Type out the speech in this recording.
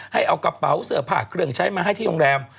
ให้เอากระเป๋าเสื้อผ้าเครื่องใช้มาให้ที่โรงแรม